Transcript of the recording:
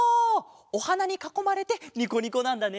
おはなにかこまれてニコニコなんだね。